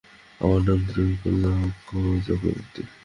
আমার নাম ত্রৈলোক্য চক্রবর্তী।